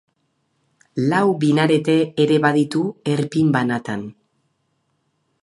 Lau minarete ere baditu erpin banatan.